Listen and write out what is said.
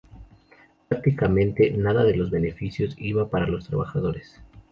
Prácticamente nada de los beneficios iba para los trabajadores.